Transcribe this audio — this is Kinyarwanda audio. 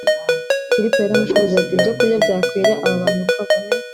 Filipo yaramushubije ati ibyokurya byakwira aba bantu kabone